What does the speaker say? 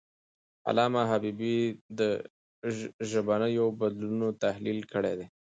علامه حبیبي د ژبنیو بدلونونو تحلیل کړی دی.